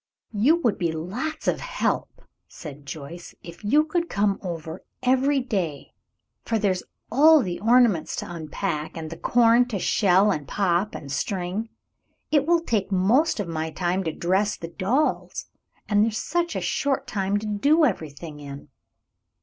"You would be lots of help," said Joyce, "if you could come over every day, for there's all the ornaments to unpack, and the corn to shell, and pop, and string. It will take most of my time to dress the dolls, and there's such a short time to do everything in."